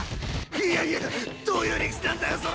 いやいやどういう理屈なんだよそれ！